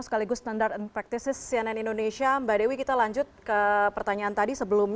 sehingga akumulasi spesimen yang kita periksa sampai dengan hari ini adalah enam ratus satu dua ratus tiga puluh sembilan spesimen